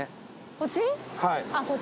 こっち？